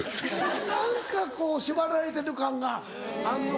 何かこう縛られてる感があんのか。